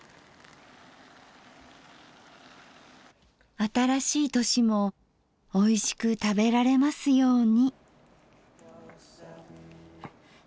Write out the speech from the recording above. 新しい年もおいしく食べられますように。